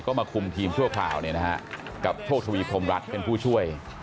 ก็มาคุมทีมชั่วคราวเนี่ยนะฮะกับโชคทวีพรมรัฐเป็นผู้ช่วย